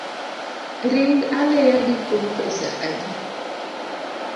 Ring aliya gi kuon pesa adi?